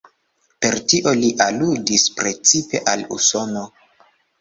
Per tio li aludis precipe al Usono.